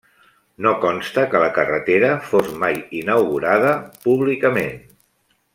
No consta que la carretera fos mai inaugurada públicament.